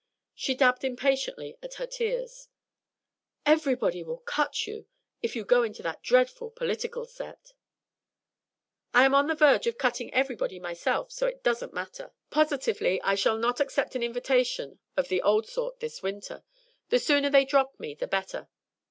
She dabbed impatiently at her tears. "Everybody will cut you if you go into that dreadful political set." "I am on the verge of cutting everybody myself, so it doesn't matter. Positively I shall not accept an invitation of the old sort this winter. The sooner they drop me the better."